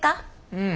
うん。